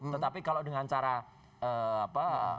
tetapi kalau dengan cara apa